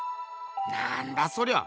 なんだそりゃ！